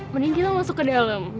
mending kita masuk ke dalam